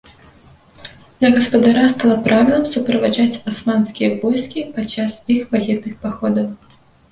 Для гаспадара стала правілам суправаджаць асманскія войскі падчас іх ваенных паходаў.